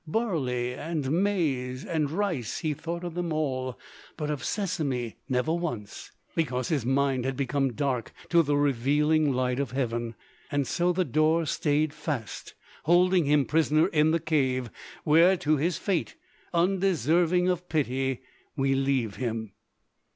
Barley, and maize, and rice, he thought of them all: but of sesamé never once, because his mind had become dark to the revealing light of heaven. And so the door stayed fast, holding him prisoner in the cave, where to his fate, undeserving of pity, we leave him.